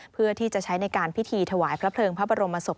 เพื่อที่จะใช้ในการพิธีถวายพระเพลิงพระบรมศพ